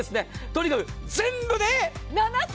とにかく全部で。